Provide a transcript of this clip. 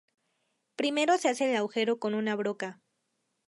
Primero se hace el agujero con una broca.